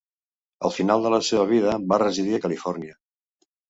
Al final de la seva vida va residir a Califòrnia.